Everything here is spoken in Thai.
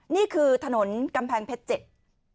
นี่คือถนนกำแพงเพชรเจ็ด